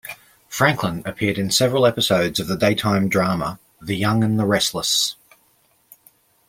Franklin appeared in several episodes of the daytime drama "The Young and the Restless".